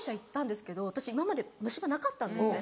今まで虫歯なかったんですね。